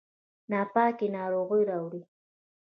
ناپاکي ناروغي راوړي